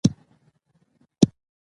ټولو افغانانو ته مبارکي وایم.